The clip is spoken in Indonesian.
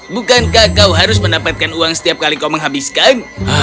bukankah kau harus mendapatkan uang setiap kali kau menghabiskan